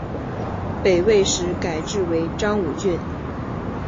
北魏时改置为章武郡。